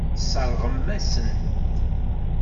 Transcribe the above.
Tesseṛɣem-asen-t.